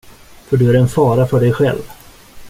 För du är en fara för dig själv.